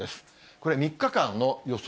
これ、３日間の予想